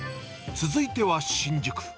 続いては新宿。